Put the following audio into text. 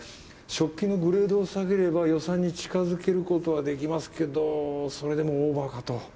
食器のグレードを下げれば予算に近づけることはできますけどそれでもオーバーかと。